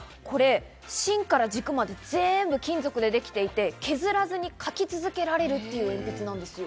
芯から軸まで全部金属でできていて、削らずに書き続けられるという鉛筆なんです。